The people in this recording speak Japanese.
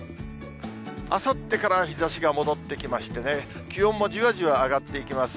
あさってから日ざしが戻ってきましてね、気温もじわじわ上がっていきます。